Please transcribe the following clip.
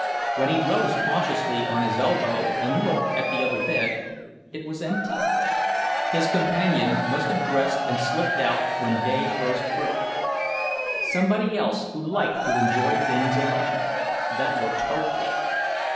When he rose cautiously on his elbow and looked at the other bed, it was empty. His companion must have dressed and slipped out when day first broke. Somebody else who liked to enjoy things alone; that looked hopeful.